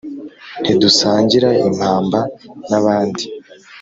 ntidusangira impamba n'abandi